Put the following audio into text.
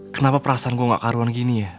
kenapa perasaan gue gak karuan gini ya